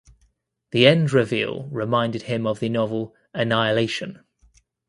The end reveal reminded him of the novel "Annihilation".